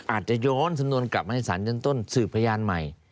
อาจจะย้อนสำนวนกลับมาให้สารชั้นต้นสืบพยานใหม่